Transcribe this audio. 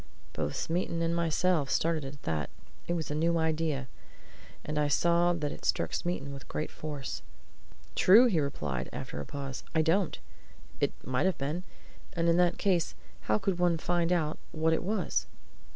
Both Smeaton and myself started at that it was a new idea. And I saw that it struck Smeaton with great force. "True!" he replied, after a pause. "I don't! It might have been. And in that case how could one find out what it was?"